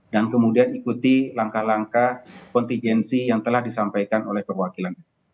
dan kemudian ikuti langkah langkah kontingensi yang telah disampaikan oleh perwakilan